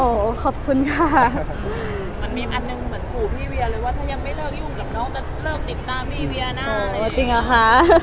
โอ้โหขอบคุณค่ะมันมีอันหนึ่งเหมือนขู่พี่เวียเลยว่าถ้ายังไม่เลิกยุ่งกับน้องจะเลิกติดตามพี่เวียนะตัวจริงเหรอคะ